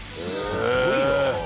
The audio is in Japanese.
すごいな。